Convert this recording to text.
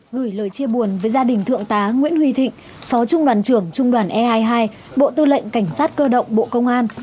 gửi lời chia buồn với gia đình thượng tá nguyễn huy thịnh phó trung đoàn trưởng trung đoàn e hai mươi hai bộ tư lệnh cảnh sát cơ động bộ công an